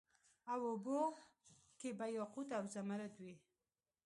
او اوبو کي به یاقوت او زمرود وي